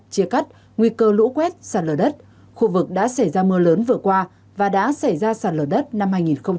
chia cắt nguy cơ lũ quét sàn lở đất khu vực đã xảy ra mưa lớn vừa qua và đã xảy ra sàn lở đất năm hai nghìn hai mươi